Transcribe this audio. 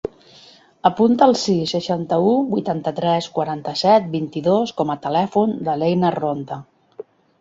Apunta el sis, seixanta-u, vuitanta-tres, quaranta-set, vint-i-dos com a telèfon de l'Einar Ronda.